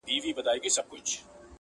قاسم یار او د نشې یې سره څه,